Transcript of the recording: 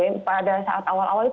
jadi pada saat awal awal itu